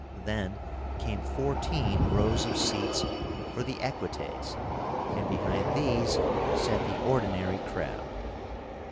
Then came fourteen rows of seats for the Equites, and behind these sat the ordinary crowd.